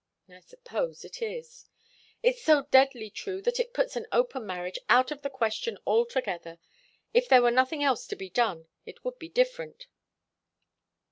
"I suppose it is." "It's so deadly true that it puts an open marriage out of the question altogether. If there were nothing else to be done, it would be different.